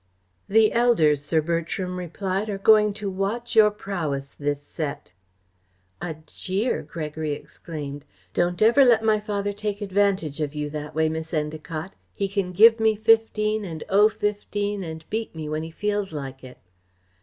"The elders," Sir Bertram replied, "are going to watch your prowess this set." "A jeer!" Gregory exclaimed. "Don't ever let my father take advantage of you that way, Miss Endacott. He can give me fifteen and owe fifteen and beat me when he feels like it."